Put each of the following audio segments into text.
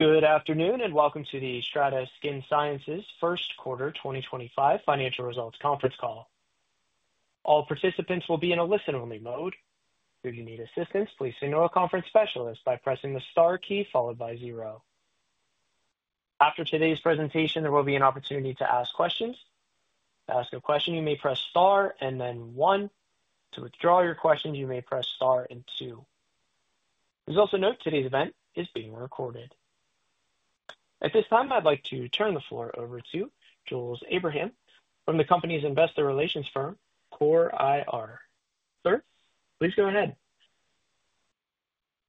Good afternoon and welcome to the STRATA Skin Sciences First Quarter 2025 Financial Results Conference Call. All participants will be in a listen-only mode. If you need assistance, please signal a conference specialist by pressing the star key followed by zero. After today's presentation, there will be an opportunity to ask questions. To ask a question, you may press star and then one. To withdraw your questions, you may press star and two. Please also note today's event is being recorded. At this time, I'd like to turn the floor over to Jules Abraham from the company's investor relations firm, Core IR. Sir, please go ahead.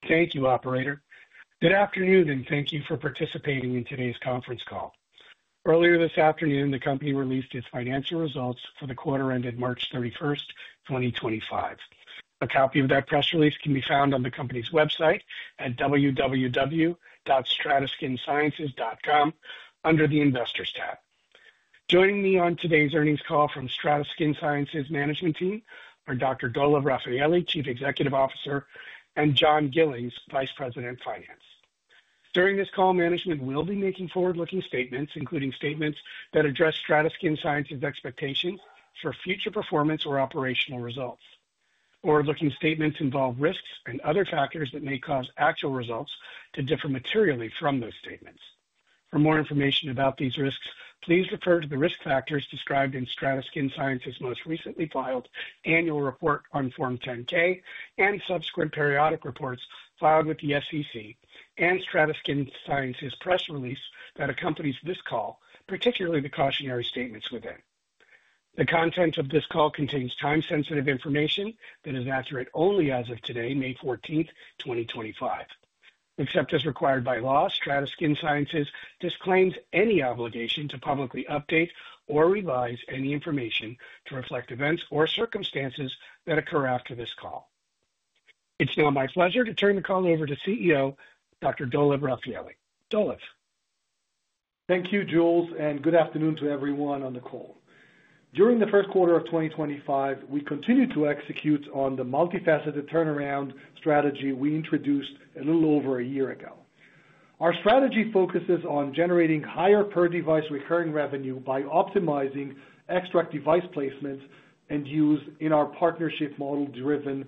Thank you, Operator. Good afternoon and thank you for participating in today's conference call. Earlier this afternoon, the company released its financial results for the quarter ended March 31st, 2025. A copy of that press release can be found on the company's website at www.strataskinsciences.com under the investors tab. Joining me on today's earnings call from STRATA Skin Sciences management team are Dr. Dolev Rafaeli, Chief Executive Officer, and John Gillings, Vice President Finance. During this call, management will be making forward-looking statements, including statements that address STRATA Skin Sciences' expectations for future performance or operational results. Forward-looking statements involve risks and other factors that may cause actual results to differ materially from those statements. For more information about these risks, please refer to the risk factors described in STRATA Skin Sciences' most recently filed annual report on Form 10-K and subsequent periodic reports filed with the SEC and STRATA Skin Sciences' press release that accompanies this call, particularly the cautionary statements within. The content of this call contains time-sensitive information that is accurate only as of today, May 14th, 2025. Except as required by law, STRATA Skin Sciences disclaims any obligation to publicly update or revise any information to reflect events or circumstances that occur after this call. It's now my pleasure to turn the call over to CEO Dr. Dolev Rafaeli. Dolev. Thank you, Jules, and good afternoon to everyone on the call. During the first quarter of 2025, we continue to execute on the multifaceted turnaround strategy we introduced a little over a year ago. Our strategy focuses on generating higher per-device recurring revenue by optimizing XTRAC device placements and use in our partnership model-driven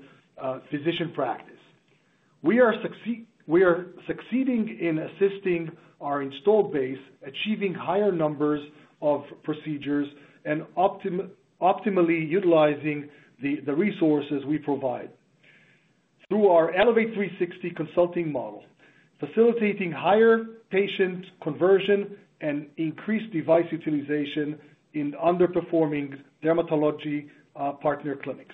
physician practice. We are succeeding in assisting our installed base, achieving higher numbers of procedures, and optimally utilizing the resources we provide through our Elevate 360 consulting model, facilitating higher patient conversion and increased device utilization in underperforming dermatology partner clinics.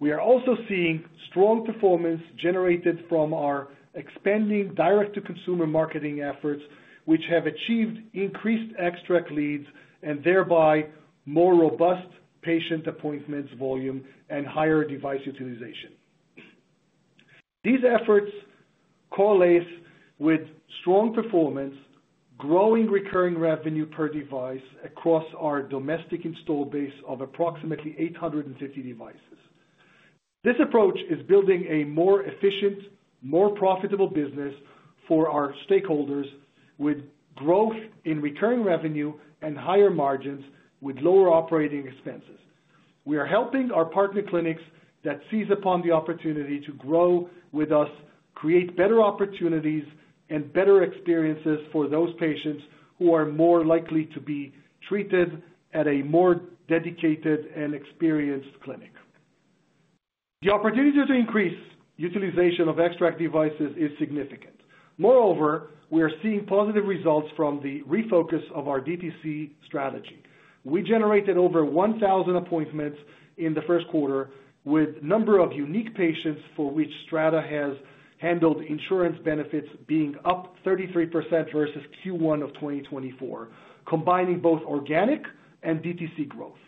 We are also seeing strong performance generated from our expanding direct-to-consumer marketing efforts, which have achieved increased XTRAC leads and thereby more robust patient appointments volume and higher device utilization. These efforts correlate with strong performance, growing recurring revenue per device across our domestic install base of approximately 850 devices. This approach is building a more efficient, more profitable business for our stakeholders with growth in recurring revenue and higher margins with lower operating expenses. We are helping our partner clinics that seize upon the opportunity to grow with us create better opportunities and better experiences for those patients who are more likely to be treated at a more dedicated and experienced clinic. The opportunity to increase utilization of XTRAC devices is significant. Moreover, we are seeing positive results from the refocus of our DTC strategy. We generated over 1,000 appointments in the first quarter with a number of unique patients for which STRATA has handled insurance benefits being up 33% versus Q1 of 2024, combining both organic and DTC growth.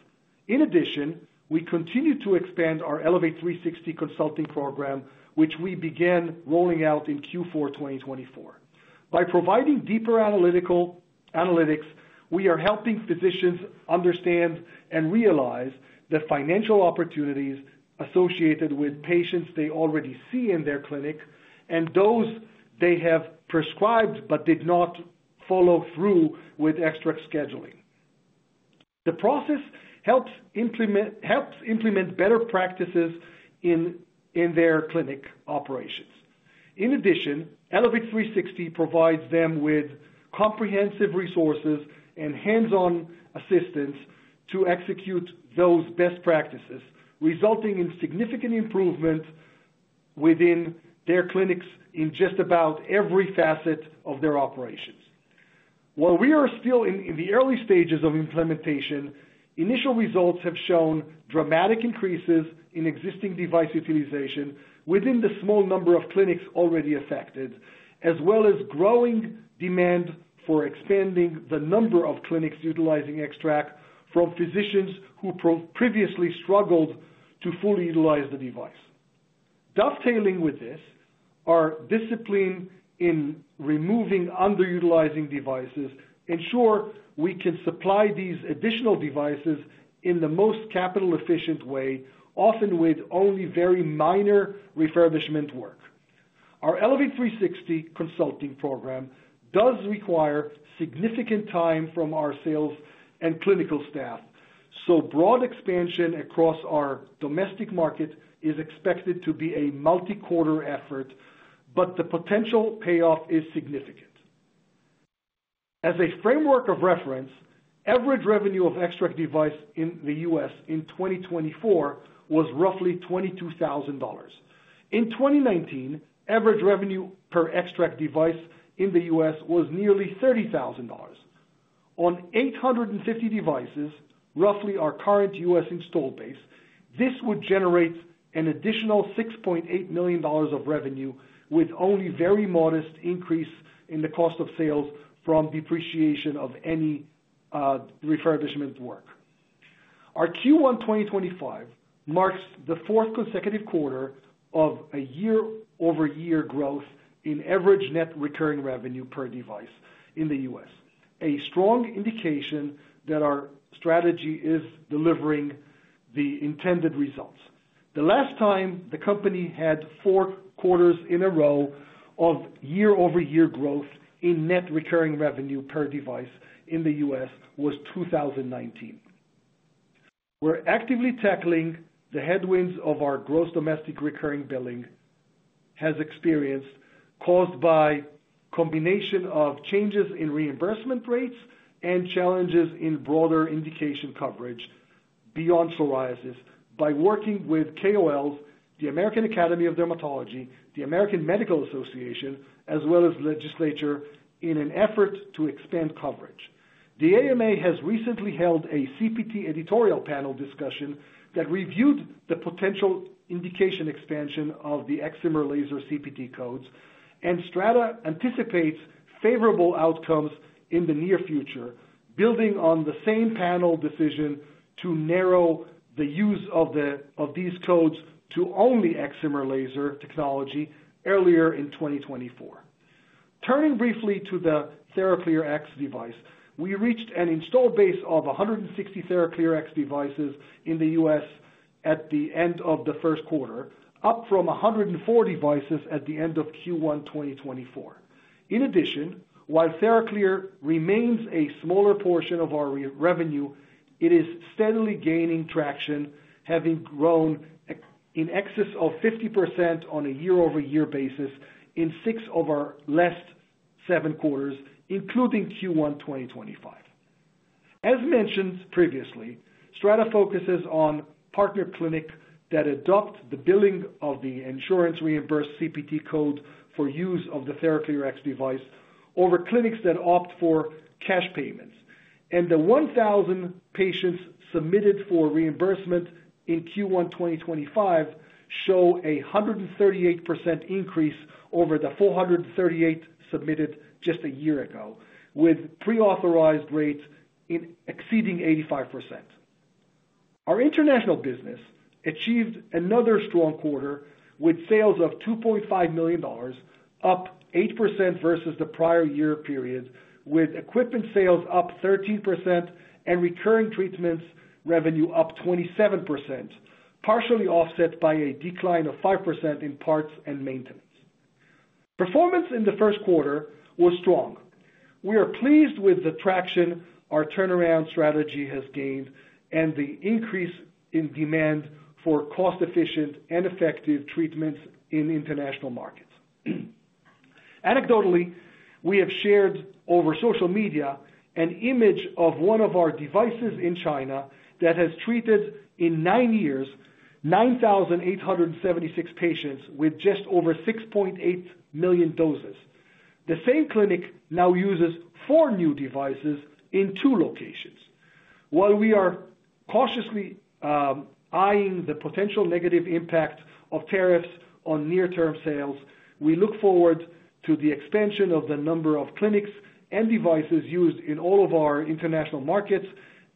In addition, we continue to expand our Elevate 360 consulting program, which we began rolling out in Q4 2024. By providing deeper analytics, we are helping physicians understand and realize the financial opportunities associated with patients they already see in their clinic and those they have prescribed but did not follow through with XTRAC scheduling. The process helps implement better practices in their clinic operations. In addition, Elevate 360 provides them with comprehensive resources and hands-on assistance to execute those best practices, resulting in significant improvements within their clinics in just about every facet of their operations. While we are still in the early stages of implementation, initial results have shown dramatic increases in existing device utilization within the small number of clinics already affected, as well as growing demand for expanding the number of clinics utilizing XTRAC from physicians who previously struggled to fully utilize the device. Dovetailing with this, our discipline in removing underutilizing devices ensures we can supply these additional devices in the most capital-efficient way, often with only very minor refurbishment work. Our Elevate 360 consulting program does require significant time from our sales and clinical staff, so broad expansion across our domestic market is expected to be a multi-quarter effort, but the potential payoff is significant. As a framework of reference, average revenue of XTRAC devices in the U.S. in 2024 was roughly $22,000. In 2019, average revenue per XTRAC device in the U.S. was nearly $30,000. On 850 devices, roughly our current U.S. install base, this would generate an additional $6.8 million of revenue with only very modest increases in the cost of sales from depreciation of any refurbishment work. Our Q1 2025 marks the fourth consecutive quarter of a year-over-year growth in average net recurring revenue per device in the U.S., a strong indication that our strategy is delivering the intended results. The last time the company had four quarters in a row of year-over-year growth in net recurring revenue per device in the U.S. was 2019. We're actively tackling the headwinds our gross domestic recurring billing has experienced, caused by a combination of changes in reimbursement rates and challenges in broader indication coverage beyond psoriasis by working with KOLs, the American Academy of Dermatology, the American Medical Association, as well as legislature in an effort to expand coverage. The AMA has recently held a CPT editorial panel discussion that reviewed the potential indication expansion of the Excimer Laser CPT codes, and STRATA anticipates favorable outcomes in the near future, building on the same panel decision to narrow the use of these codes to only Excimer Laser technology earlier in 2024. Turning briefly to the TheraClearX device, we reached an install base of 160 TheraClearX devices in the U.S. at the end of the first quarter, up from 104 devices at the end of Q1 2024. In addition, while TheraClear remains a smaller portion of our revenue, it is steadily gaining traction, having grown in excess of 50% on a year-over-year basis in six of our last seven quarters, including Q1 2025. As mentioned previously, STRATA focuses on partner clinics that adopt the billing of the insurance-reimbursed CPT codes for use of the TheraClearX device over clinics that opt for cash payments. And the 1,000 patients submitted for reimbursement in Q1 2025 show a 138% increase over the 438 submitted just a year ago, with pre-authorized rates exceeding 85%. Our international business achieved another strong quarter with sales of $2.5 million, up 8% versus the prior year period, with equipment sales up 13% and recurring treatments revenue up 27%, partially offset by a decline of 5% in parts and maintenance. Performance in the first quarter was strong. We are pleased with the traction our turnaround strategy has gained and the increase in demand for cost-efficient and effective treatments in international markets. Anecdotally, we have shared over social media an image of one of our devices in China that has treated in nine years 9,876 patients with just over 6.8 million doses. The same clinic now uses four new devices in two locations. While we are cautiously eyeing the potential negative impact of tariffs on near-term sales, we look forward to the expansion of the number of clinics and devices used in all of our international markets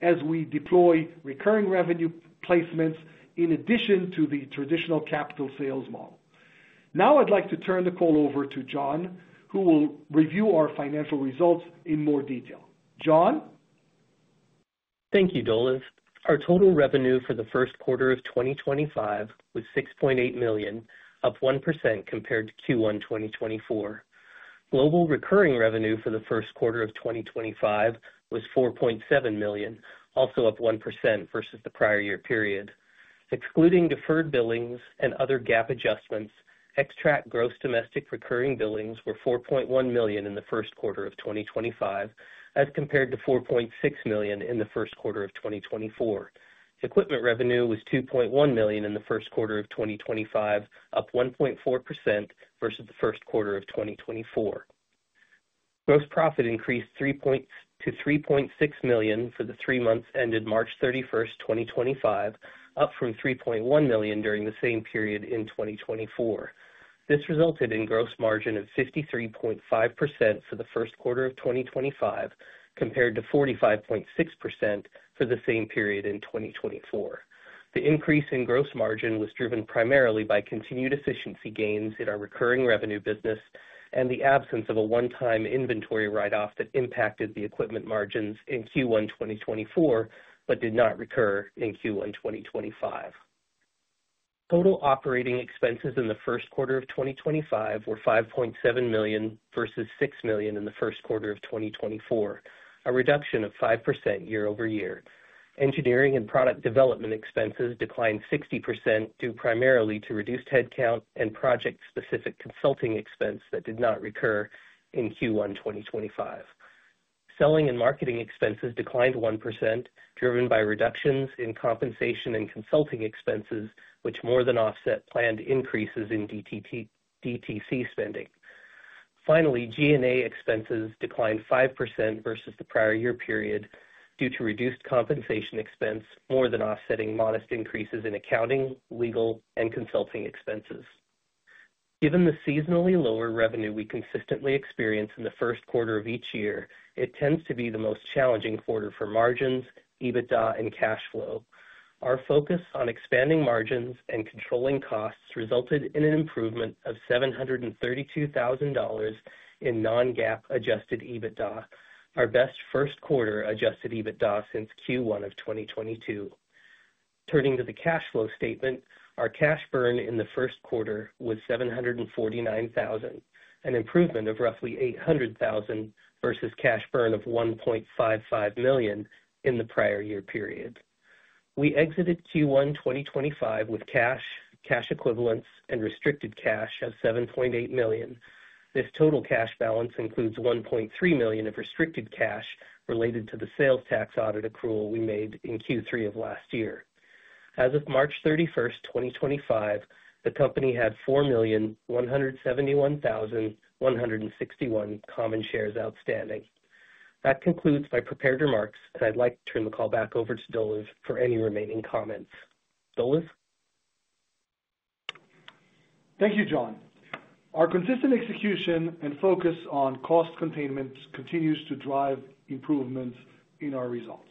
as we deploy recurring revenue placements in addition to the traditional capital sales model. Now, I'd like to turn the call over to John, who will review our financial results in more detail. John. Thank you, Dolev. Our total revenue for the first quarter of 2025 was $6.8 million, up 1% compared to Q1 2024. Global recurring revenue for the first quarter of 2025 was $4.7 million, also up 1% versus the prior year period. Excluding deferred billings and other GAAP adjustments, XTRAC gross domestic recurring billings were $4.1 million in the first quarter of 2025, as compared to $4.6 million in the first quarter of 2024. Equipment revenue was $2.1 million in the first quarter of 2025, up 1.4% versus the first quarter of 2024. Gross profit increased to $3.6 million for the three months ended March 31st, 2025, up from $3.1 million during the same period in 2024. This resulted in a gross margin of 53.5% for the first quarter of 2025, compared to 45.6% for the same period in 2024. The increase in gross margin was driven primarily by continued efficiency gains in our recurring revenue business and the absence of a one-time inventory write-off that impacted the equipment margins in Q1 2024 but did not recur in Q1 2025. Total operating expenses in the first quarter of 2025 were $5.7 million versus $6 million in the first quarter of 2024, a reduction of 5% year-over-year. Engineering and product development expenses declined 60% due primarily to reduced headcount and project-specific consulting expense that did not recur in Q1 2025. Selling and marketing expenses declined 1%, driven by reductions in compensation and consulting expenses, which more than offset planned increases in DTC spending. Finally, G&A expenses declined 5% versus the prior year period due to reduced compensation expense, more than offsetting modest increases in accounting, legal, and consulting expenses. Given the seasonally lower revenue we consistently experience in the first quarter of each year, it tends to be the most challenging quarter for margins, EBITDA, and cash flow. Our focus on expanding margins and controlling costs resulted in an improvement of $732,000 in non-GAAP adjusted EBITDA, our best first-quarter adjusted EBITDA since Q1 of 2022. Turning to the cash flow statement, our cash burn in the first quarter was $749,000, an improvement of roughly $800,000 versus cash burn of $1.55 million in the prior year period. We exited Q1 2025 with cash, cash equivalents, and restricted cash of $7.8 million. This total cash balance includes $1.3 million of restricted cash related to the sales tax audit accrual we made in Q3 of last year. As of March 31st, 2025, the company had $4,171,161 common shares outstanding. That concludes my prepared remarks, and I'd like to turn the call back over to Dolev for any remaining comments. Dolev. Thank you, John. Our consistent execution and focus on cost containment continues to drive improvements in our results.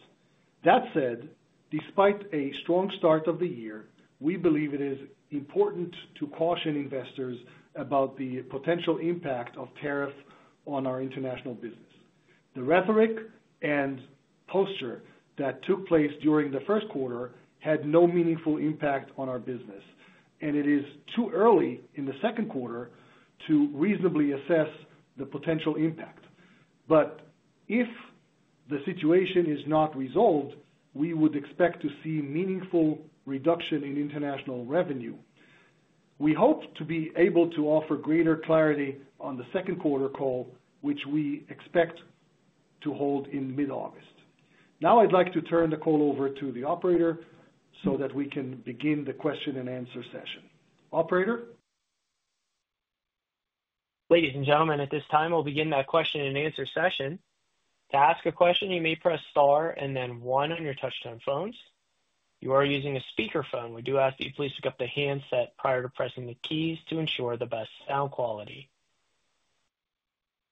That said, despite a strong start of the year, we believe it is important to caution investors about the potential impact of tariffs on our international business. The rhetoric and posture that took place during the first quarter had no meaningful impact on our business, and it is too early in the second quarter to reasonably assess the potential impact. But if the situation is not resolved, we would expect to see a meaningful reduction in international revenue. We hope to be able to offer greater clarity on the second quarter call, which we expect to hold in mid-August. Now, I'd like to turn the call over to the operator so that we can begin the question-and-answer session. Operator. Ladies and gentlemen, at this time, we'll begin that question-and-answer session. To ask a question, you may press Star and then one on your touchdown phones. If you are using a speakerphone, we do ask that you please pick up the handset prior to pressing the keys to ensure the best sound quality.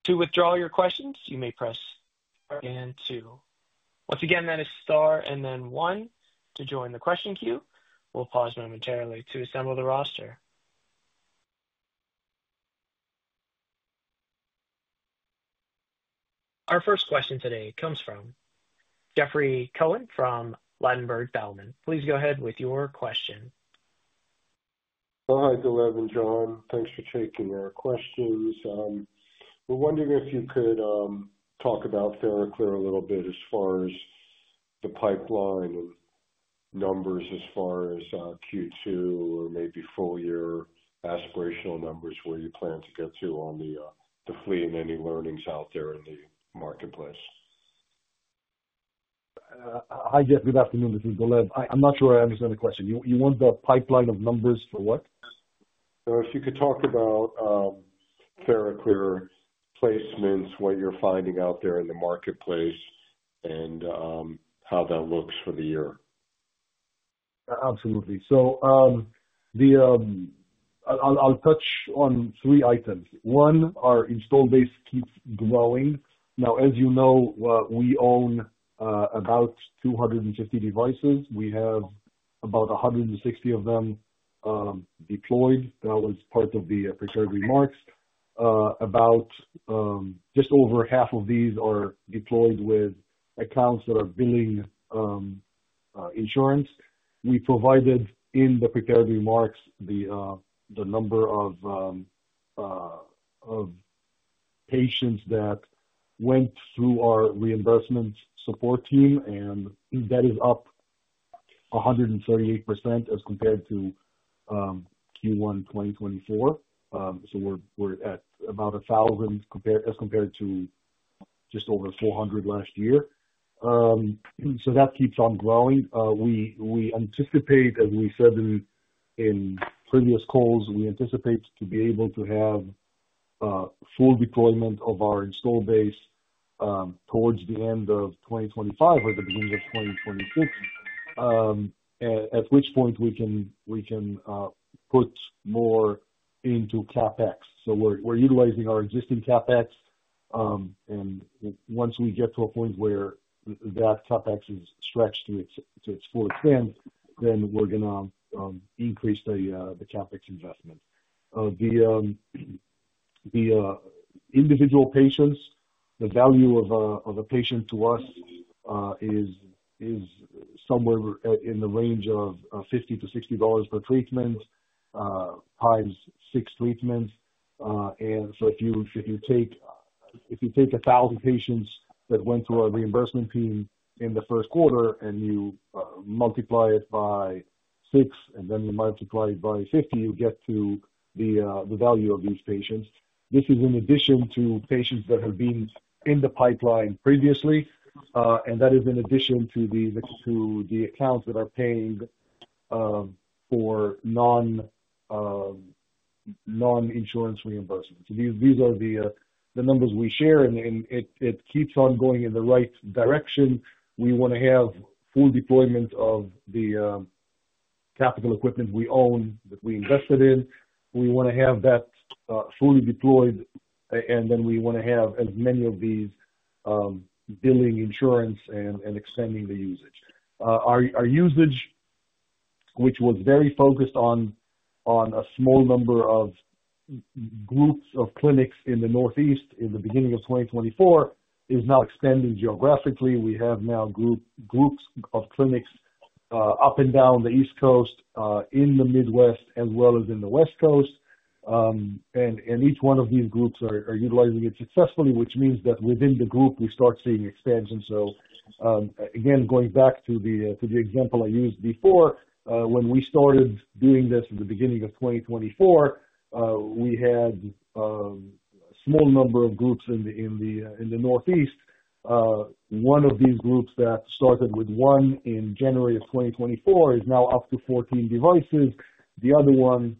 To withdraw your questions, you may press star and two. Once again, that is star and then one to join the question queue. We'll pause momentarily to assemble the roster. Our first question today comes from Jeffrey Cohen from Ladenburg Thalmann. Please go ahead with your question. Hi, Dolev and John. Thanks for taking our questions. We're wondering if you could talk about TheraClearX a little bit as far as the pipeline and numbers as far as Q2 or maybe full-year aspirational numbers, where you plan to get to on the fleet and any learnings out there in the marketplace. Hi, Jeff. Good afternoon, this is Dolev. I'm not sure I understand the question. You want the pipeline of numbers for what? So if you could talk about TheraClearplacements, what you're finding out there in the marketplace, and how that looks for the year. Absolutely. So I'll touch on three items. One, our install base keeps growing. Now, as you know, we own about 250 devices. We have about 160 of them deployed. That was part of the prepared remarks. Just over half of these are deployed with accounts that are billing insurance. We provided in the prepared remarks the number of patients that went through our reimbursement support team, and that is up 138% as compared to Q1 2024. So we're at about 1,000 as compared to just over 400 last year. So that keeps on growing. We anticipate, as we said in previous calls, we anticipate to be able to have full deployment of our install base towards the end of 2025 or the beginning of 2026, at which point we can put more into CapEx. So we're utilizing our existing CapEx, and once we get to a point where that CapEx is stretched to its full extent, then we're going to increase the CapEx investment. The individual patients, the value of a patient to us is somewhere in the range of $50-$60 per treatment, times six treatments. And so if you take 1,000 patients that went through our reimbursement team in the first quarter and you multiply it by 6, and then you multiply it by 50, you get to the value of these patients. This is in addition to patients that have been in the pipeline previously, and that is in addition to the accounts that are paying for non-insurance reimbursements. These are the numbers we share, and it keeps on going in the right direction. We want to have full deployment of the capital equipment we own that we invested in. We want to have that fully deployed, and then we want to have as many of these billing insurance and extending the usage. Our usage, which was very focused on a small number of groups of clinics in the Northeast in the beginning of 2024, is now expanding geographically. We have now groups of clinics up and down the East Coast, in the Midwest, as well as in the West Coast. And each one of these groups are utilizing it successfully, which means that within the group, we start seeing expansion. So again, going back to the example I used before, when we started doing this at the beginning of 2024, we had a small number of groups in the Northeast. One of these groups that started with one in January of 2024 is now up to 14 devices. The other one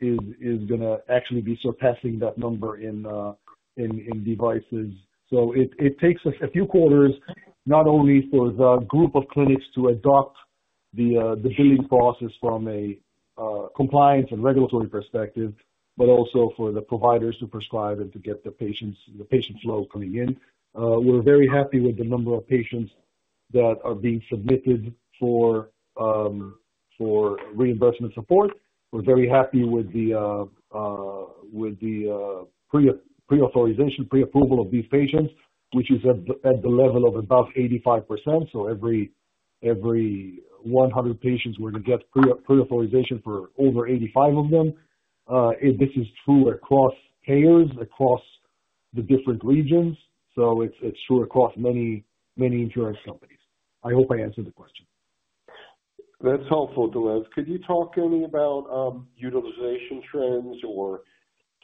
is going to actually be surpassing that number in devices. So it takes us a few quarters, not only for the group of clinics to adopt the billing process from a compliance and regulatory perspective, but also for the providers to prescribe and to get the patient flow coming in. We're very happy with the number of patients that are being submitted for reimbursement support. We're very happy with the pre-authorization, pre-approval of these patients, which is at the level of about 85%. So every 100 patients were to get pre-authorization for over 85 of them. This is true across payers, across the different regions. So it's true across many insurance companies. I hope I answered the question. That's helpful, Dolev. Could you talk to me about utilization trends or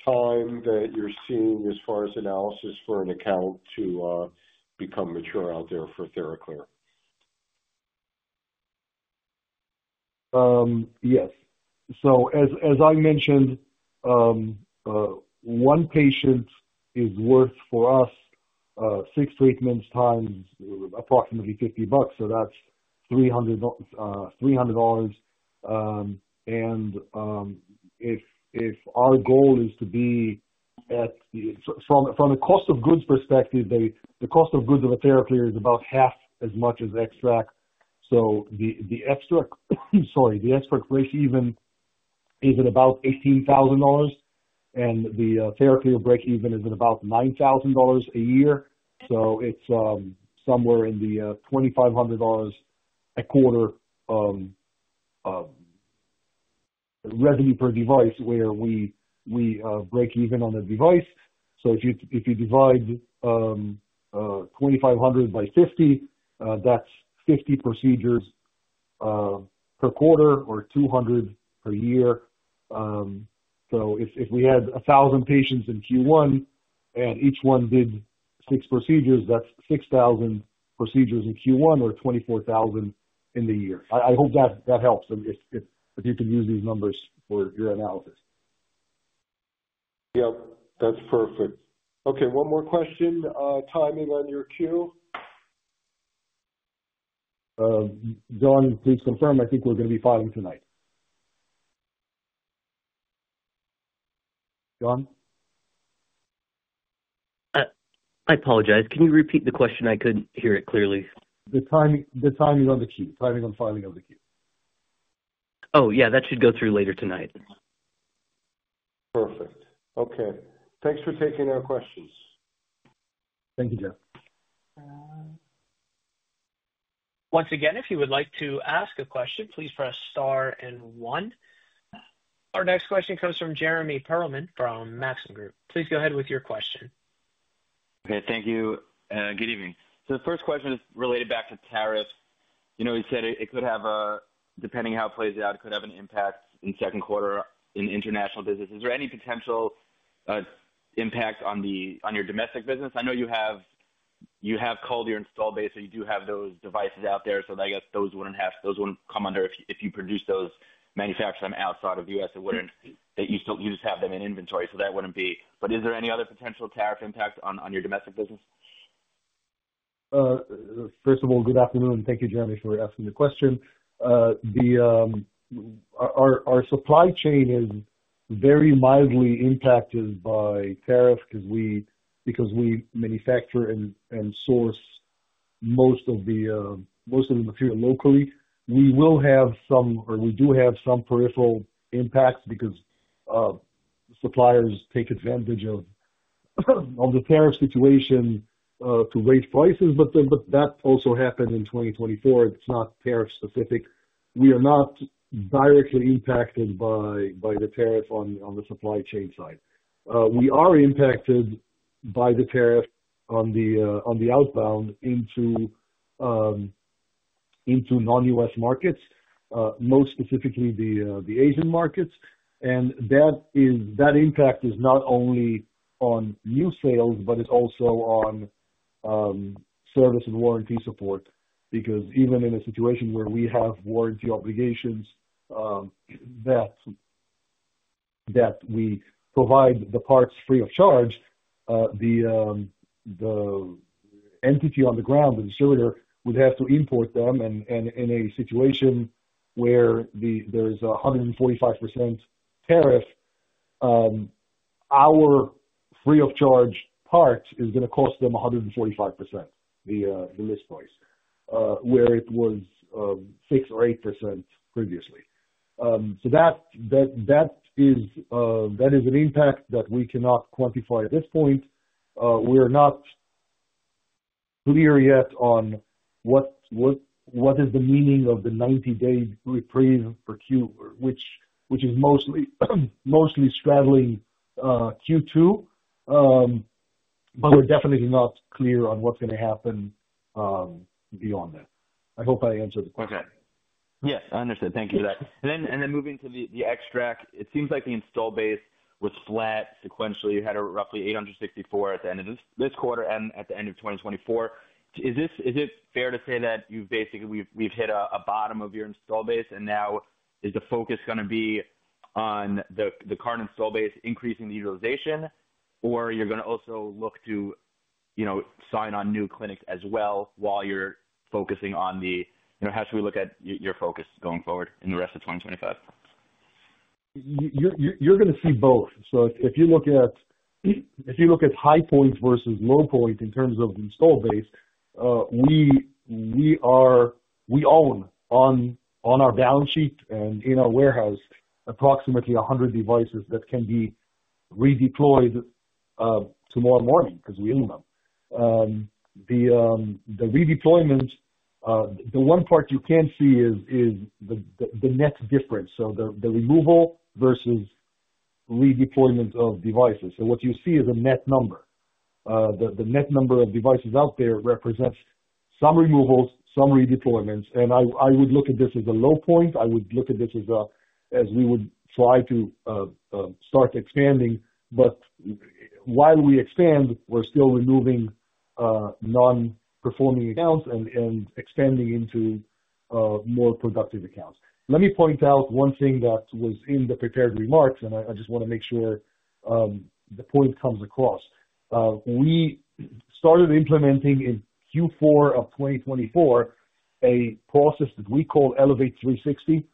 time that you're seeing as far as analysis for an account to become mature out there for TheraClear? Yes. So as I mentioned, one patient is worth, for us, six treatments times approximately $50. So that's $300. And if our goal is to be from a cost of goods perspective, the cost of goods of a TheraClear is about half as much as XTRAC. So the XTRAC break-even is at about $18,000, and the TheraClear break-even is at about $9,000 a year. So it's somewhere in the $2,500 a quarter revenue per device where we break even on the device. So if you divide $2,500 by 50, that's 50 procedures per quarter or 200 per year. So if we had 1,000 patients in Q1 and each one did six procedures, that's 6,000 procedures in Q1 or 24,000 in the year. I hope that helps if you can use these numbers for your analysis. Yep. That's perfect. Okay. One more question. Timing on your queue? John, please confirm. I think we're going to be filing tonight. John? I apologize. Can you repeat the question? I couldn't hear it clearly. The timing on the queue, timing on filing of the queue. Oh, yeah. That should go through later tonight. Perfect. Okay. Thanks for taking our questions. Thank you, Jeff. Once again, if you would like to ask a question, please press star and one. Our next question comes from Jeremy Pearlman from Maxim Group. Please go ahead with your question. Okay. Thank you. Good evening. So the first question is related back to tariffs. You said it could have, depending how it plays out, it could have an impact in second quarter in international business. Is there any potential impact on your domestic business? I know you have culture install base, so you do have those devices out there. So I guess those wouldn't come under if you produce those manufacturers outside of the U.S., that you just have them in inventory. So that wouldn't be. But is there any other potential tariff impact on your domestic business? First of all, good afternoon. Thank you, Jeremy, for asking the question. Our supply chain is very mildly impacted by tariff because we manufacture and source most of the material locally. We will have some, or we do have some peripheral impacts because suppliers take advantage of the tariff situation to raise prices. But that also happened in 2024. It's not tariff-specific. We are not directly impacted by the tariff on the supply chain side. We are impacted by the tariff on the outbound into non-U.S. markets, most specifically the Asian markets. And that impact is not only on new sales, but it's also on service and warranty support. Because even in a situation where we have warranty obligations that we provide the parts free of charge, the entity on the ground, the distributor, would have to import them. And in a situation where there is a 145% tariff, our free-of-charge part is going to cost them 145%, the list price, where it was 6% or 8% previously. So that is an impact that we cannot quantify at this point. We're not clear yet on what is the meaning of the 90-day reprieve per queue, which is mostly straddling Q2. But we're definitely not clear on what's going to happen beyond that. I hope I answered the question. Okay. Yes. I understand. Thank you for that. And then moving to the XTRAC, it seems like the install base was flat sequentially. You had roughly 864 at the end of this quarter and at the end of 2024. Is it fair to say that we've hit a bottom of your install base? And now, is the focus going to be on the current install base increasing the utilization, or you're going to also look to sign on new clinics as well while you're focusing on the how should we look at your focus going forward in the rest of 2025? You're going to see both. So if you look at if you look at high points versus low points in terms of install base, we own on our balance sheet and in our warehouse approximately 100 devices that can be redeployed tomorrow morning because we own them. The redeployment, the one part you can't see is the net difference. So the removal versus redeployment of devices. So what you see is a net number. The net number of devices out there represents some removals, some redeployments. And I would look at this as a low point. I would look at this as we would try to start expanding. But while we expand, we're still removing non-performing accounts and expanding into more productive accounts. Let me point out one thing that was in the prepared remarks, and I just want to make sure the point comes across. We started implementing in Q4 of 2024 a process that we call Elevate 360.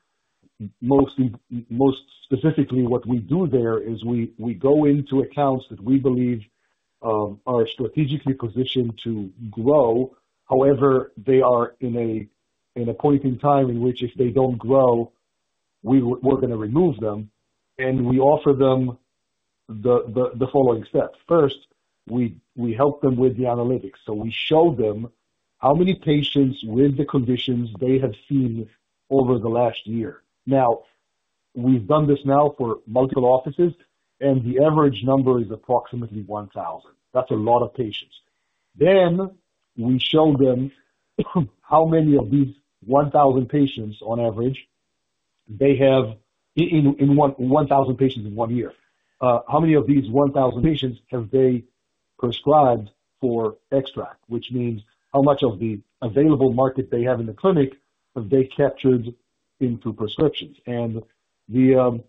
Most specifically, what we do there is we go into accounts that we believe are strategically positioned to grow. However, they are in a point in time in which if they don't grow, we're going to remove them. And we offer them the following steps. First, we help them with the analytics. So we show them how many patients with the conditions they have seen over the last year. Now, we've done this now for multiple offices, and the average number is approximately 1,000. That's a lot of patients. Then we show them how many of these 1,000 patients on average they have in 1,000 patients in one year. How many of these 1,000 patients have they prescribed for XTRAC, which means how much of the available market they have in the clinic have they captured into prescriptions? And the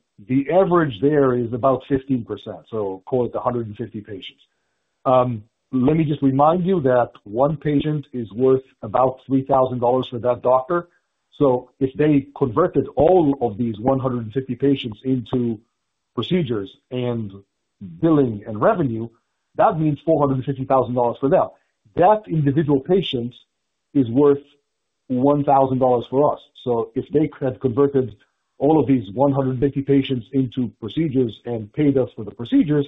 average there is about 15%. So call it 150 patients. Let me just remind you that one patient is worth about $3,000 for that doctor. So if they converted all of these 150 patients into procedures and billing and revenue, that means $450,000 for them. That individual patient is worth $1,000 for us. So if they had converted all of these 150 patients into procedures and paid us for the procedures,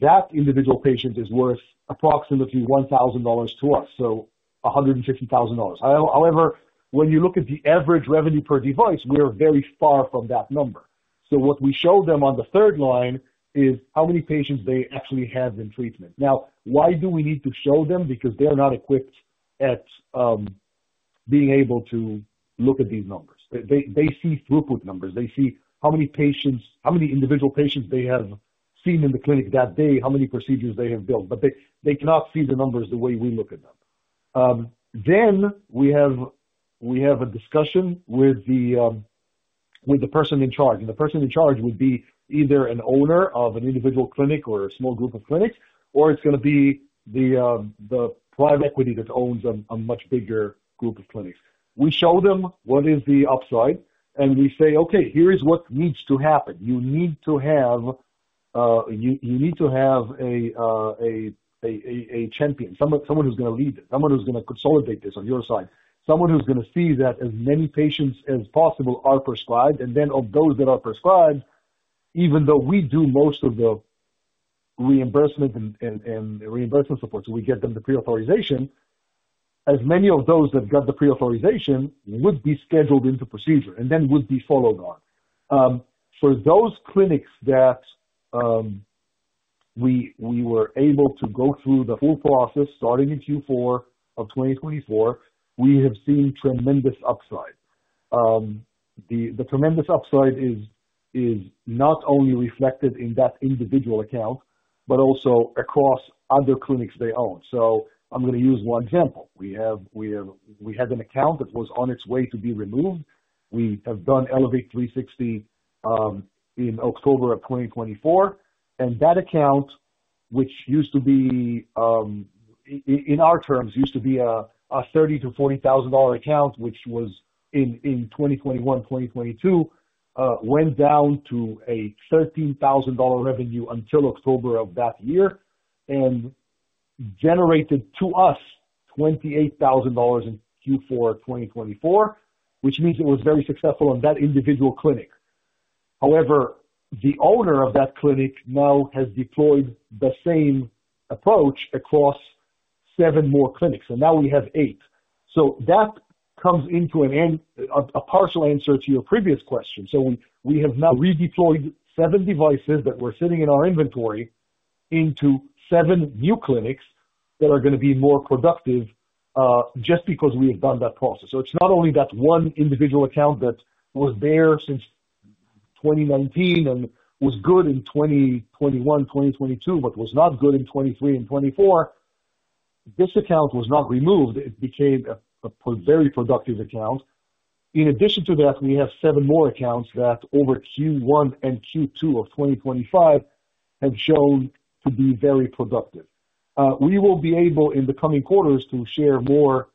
that individual patient is worth approximately $1,000 to us, so $150,000. However, when you look at the average revenue per device, we are very far from that number. So what we show them on the third line is how many patients they actually have in treatment. Now, why do we need to show them? Because they're not equipped at being able to look at these numbers. They see throughput numbers. They see how many individual patients they have seen in the clinic that day, how many procedures they have built. But they cannot see the numbers the way we look at them. Then we have a discussion with the person in charge. And the person in charge would be either an owner of an individual clinic or a small group of clinics, or it's going to be the private equity that owns a much bigger group of clinics. We show them what is the upside, and we say, "Okay, here is what needs to happen. You need to have you need to have a champion, someone who's going to lead this, someone who's going to consolidate this on your side, someone who's going to see that as many patients as possible are prescribed." And then of those that are prescribed, even though we do most of the reimbursement and reimbursement support, so we get them the pre-authorization, as many of those that got the pre-authorization would be scheduled into procedure and then would be followed on. For those clinics that we were able to go through the full process starting in Q4 of 2024, we have seen tremendous upside. The tremendous upside is not only reflected in that individual account, but also across other clinics they own. So I'm going to use one example. We had an account that was on its way to be removed. We have done Elevate 360 in October of 2024. And that account, which used to be, in our terms, used to be a $30,000-$40,000 account, which was in 2021, 2022, went down to a $13,000 revenue until October of that year and generated to us $28,000 in Q4 2024, which means it was very successful on that individual clinic. However, the owner of that clinic now has deployed the same approach across seven more clinics. And now we have eight. So that comes into a partial answer to your previous question. So we have now redeployed seven devices that were sitting in our inventory into seven new clinics that are going to be more productive just because we have done that process. So it's not only that one individual account that was there since 2019 and was good in 2021, 2022, but was not good in 2023 and 2024. This account was not removed. It became a very productive account. In addition to that, we have seven more accounts that over Q1 and Q2 of 2025 have shown to be very productive. We will be able in the coming quarters to share more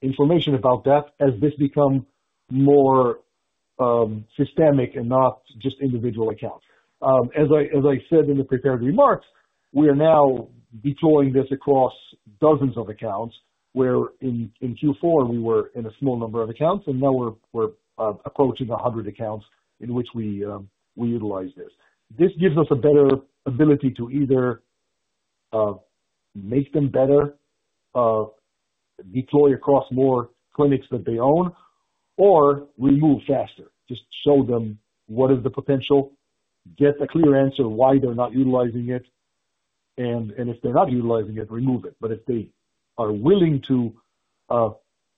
information about that as this becomes more systemic and not just individual accounts. As I said in the prepared remarks, we are now deploying this across dozens of accounts where in Q4 we were in a small number of accounts, and now we're approaching 100 accounts in which we utilize this. This gives us a better ability to either make them better, deploy across more clinics that they own, or remove faster, just show them what is the potential, get a clear answer why they're not utilizing it. And if they're not utilizing it, remove it. But if they are willing to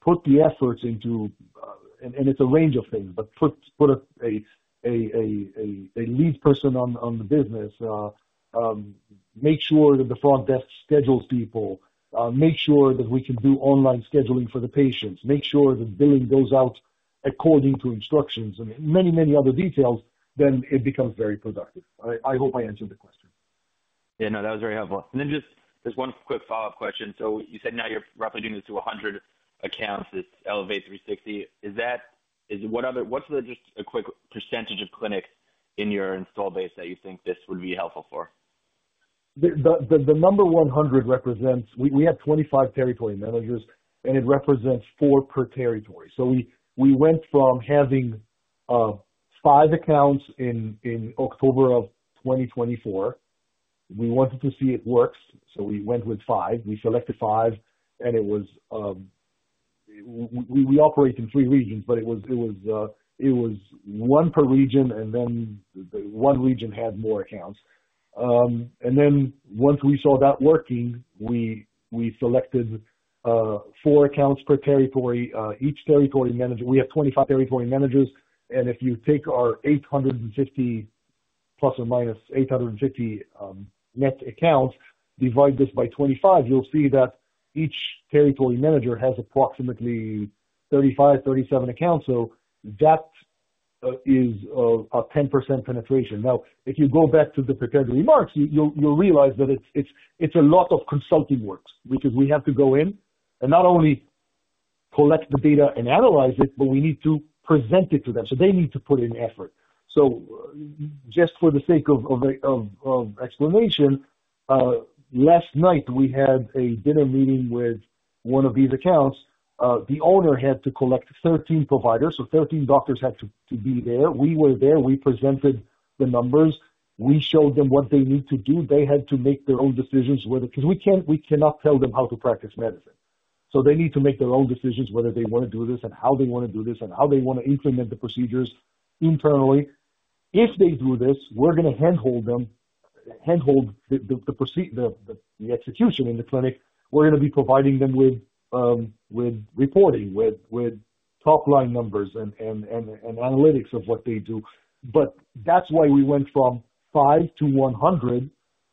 put the efforts into, and it's a range of things, but put a lead person on the business, make sure that the front desk schedules people, make sure that we can do online scheduling for the patients, make sure that billing goes out according to instructions, and many, many other details, then it becomes very productive. I hope I answered the question. Yeah. No, that was very helpful. And then just there's one quick follow-up question. So you said now you're roughly doing this to 100 accounts, this Elevate 360. What's just a quick percentage of clinics in your install base that you think this would be helpful for? The number 100 represents we have 25 territory managers, and it represents four per territory. So we went from having five accounts in October of 2024. We wanted to see it works, so we went with five. We selected five, and we operate in three regions, but it was one per region, and then one region had more accounts. And then once we saw that working, we selected four accounts per territory. Each territory manager, we have 25 territory managers. And if you take our ±850 net accounts, divide this by 25, you'll see that each territory manager has approximately 35, 37 accounts. So that is a 10% penetration. Now, if you go back to the prepared remarks, you'll realize that it's a lot of consulting work because we have to go in and not only collect the data and analyze it, but we need to present it to them. So they need to put in effort. So just for the sake of explanation, last night we had a dinner meeting with one of these accounts. The owner had to collect 13 providers, so 13 doctors had to be there. We were there. We presented the numbers. We showed them what they need to do. They had to make their own decisions because we cannot tell them how to practice medicine. So they need to make their own decisions whether they want to do this and how they want to do this and how they want to implement the procedures internally. If they do this, we're going to handhold them, handhold the execution in the clinic. We're going to be providing them with reporting, with top-line numbers and analytics of what they do. But that's why we went from 5 to 100.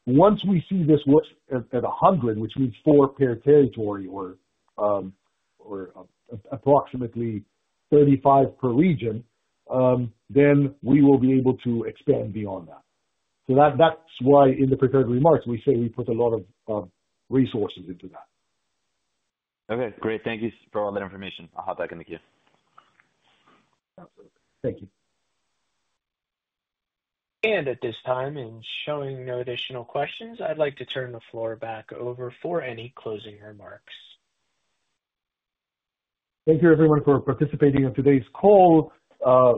Once we see this work at 100, which means four per territory or approximately 35 per region, then we will be able to expand beyond that. So that's why in the prepared remarks, we say we put a lot of resources into that. Okay. Great. Thank you for all that information. I'll hop back in the queue. Thank you. And at this time, in showing no additional questions, I'd like to turn the floor back over for any closing remarks. Thank you, everyone, for participating in today's call.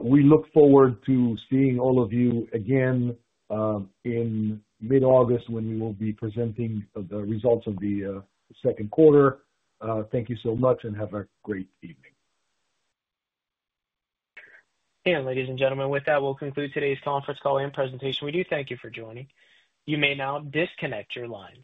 We look forward to seeing all of you again in mid-August when we will be presenting the results of the second quarter. Thank you so much, and have a great evening. And ladies and gentlemen, with that, we'll conclude today's conference call and presentation. We do thank you for joining. You may now disconnect your lines.